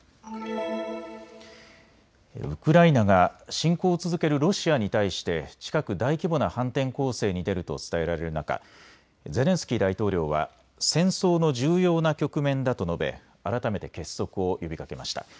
ウクライナが侵攻を続けるロシアに対して近く大規模な反転攻勢に出ると伝えられる中、ゼレンスキー大統領は戦争の重要な局面だと述べ改めて結束を呼びかけました。